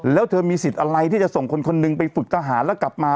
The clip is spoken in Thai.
แล้วเธอมีสิทธิ์อะไรที่จะส่งคนคนหนึ่งไปฝึกทหารแล้วกลับมา